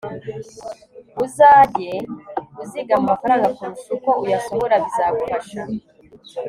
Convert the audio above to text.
Uzage uzigama amafaranga kurusha uko uyasohora bizagufasha